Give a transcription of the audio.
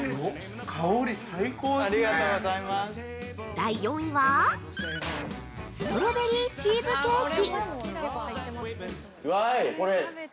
◆第４位はストロベリーチーズケーキ◆